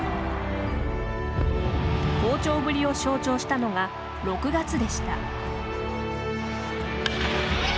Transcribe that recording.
好調ぶりを象徴したのが６月でした。